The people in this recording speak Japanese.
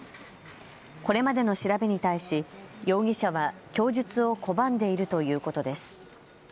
これまでの調べに対し容疑者は供述を拒んでいるということです。